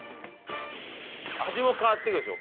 味も変わっていくでしょ。